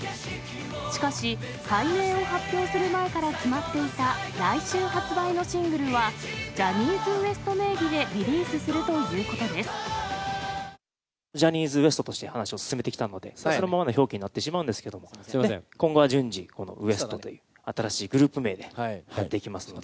しかし、改名を発表する前から決まっていた来週発売のシングルは、ジャニーズＷＥＳＴ名義でリリージャニーズＷＥＳＴとして話を進めてきたので、それはそのままの表記になってしまうんですけど、今後は順次、このＷＥＳＴ．という新しいグループ名でやっていきますので。